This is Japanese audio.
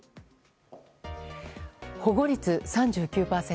保護率３９％。